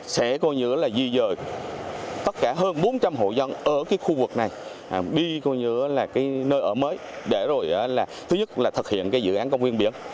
sẽ coi như là di rời tất cả hơn bốn trăm linh hộ dân ở khu vực này đi nơi ở mới để rồi là thứ nhất là thực hiện dự án công viên biển